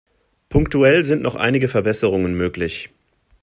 Punktuell sind noch einige Verbesserungen möglich.